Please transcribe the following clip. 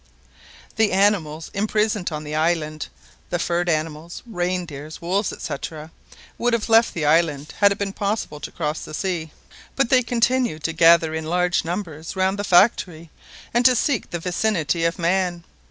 The animals imprisoned in the island, the furred animals, reindeer, wolves, &c., would have left the island had it been possible to cross the sea, but they continued to gather in large numbers round the factory, and to seek the vicinity of man.